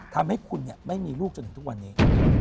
ทำให้คุณไม่มีลูกจนถึงทุกวันนี้